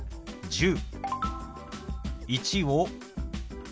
「１０」。